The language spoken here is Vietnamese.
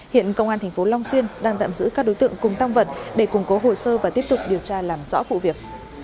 hiện công an tp long xuyên đang tạm giữ các đối tượng cùng tăng vật để củng cố hồ sơ và tiếp tục điều tra làm rõ vụ việc